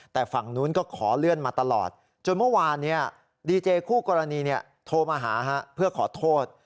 แต่ฝั่งนู้นก็ขอเลื่อนมาตลอดจนเมื่อวานดีเจคู่กรณีโทรมาหาเพื่อขอโทษ